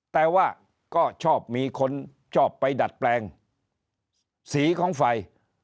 แต่ว่าก็ชอบมีคนชอบไปดัดแปลงสีของไฟ